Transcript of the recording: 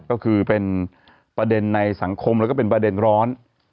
ก็คือเป็นประเด็นในสังคมแล้วก็เป็นประเด็นร้อน